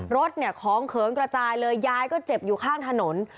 รถเนี่ยของเขิงกระจายเลยยายก็เจ็บอยู่ข้างถนน